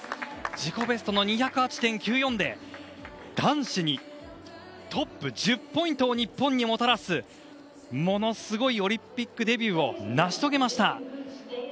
自己ベストの２０８．９４で男子のトップ、１０ポイントを日本にもたらす、ものすごいオリンピックデビューを成し遂げました。